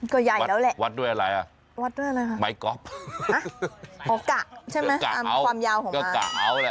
ก็ใหญ่แล้วแหละวัดด้วยอะไรอ่ะไมค์กอล์ฟฮ่าฮ่าฮ่าฮ่าฮ่าฮ่าฮ่าฮ่าฮ่าฮ่าฮ่าฮ่า